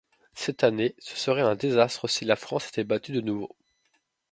Cette année, ce serait un désastre, si la France était battue de nouveau.